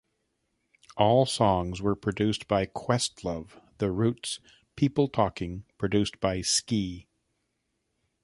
All songs were produced by Questlove, The Roots; "People Talking" produced by Ski.